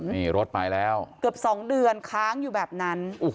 นี่รถไปแล้วเกือบ๒เดือนค้างอยู่แบบนั้น